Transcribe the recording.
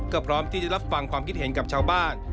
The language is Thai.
ก็พร้อมที่จะรับฟังความคิดเห็นกับชาวบ้าน